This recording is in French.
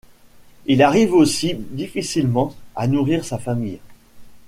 Il arrive aussi difficilement à nourrir sa famille.